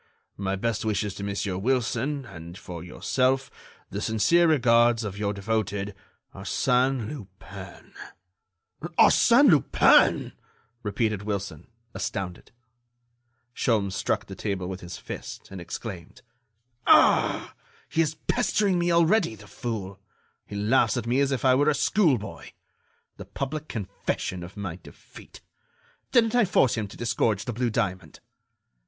"My best wishes to Monsieur Wilson, and, for yourself, the sincere regards of your devoted ARSÈNE LUPIN." "Arsène Lupin!" repeated Wilson, astounded. Sholmes struck the table with his fist, and exclaimed: "Ah! he is pestering me already, the fool! He laughs at me as if I were a schoolboy! The public confession of my defeat! Didn't I force him to disgorge the blue diamond?"